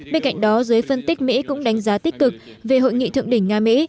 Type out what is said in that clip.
bên cạnh đó giới phân tích mỹ cũng đánh giá tích cực về hội nghị thượng đỉnh nga mỹ